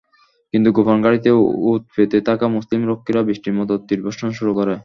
কিন্তু গোপন ঘাঁটিতে ওঁত পেতে থাকা মুসলিম রক্ষীরা বৃষ্টির মত তীর বর্ষণ শুরু করে।